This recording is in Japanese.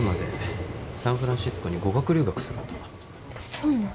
そうなん。